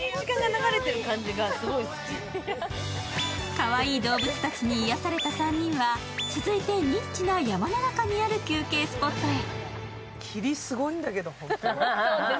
かわいい動物たちに癒やされた３人は続いてニッチな山の中にある休憩スポットへ。